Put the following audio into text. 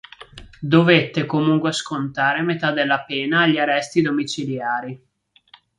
Dovette comunque scontare metà della pena agli arresti domiciliari.